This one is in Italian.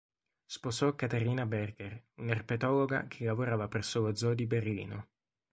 Sposò Katharina Berger, un'erpetologa che lavorava presso lo zoo di Berlino.